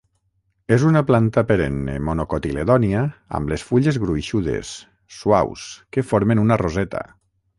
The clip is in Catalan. És una planta perenne monocotiledònia amb les fulles gruixudes, suaus que formen una roseta.